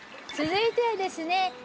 続いてはですね